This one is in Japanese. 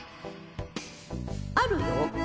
あるよ。